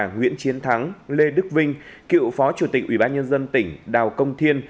nguyễn chiến thắng lê đức vinh cựu phó chủ tịch ủy ban nhân dân tỉnh đào công thiên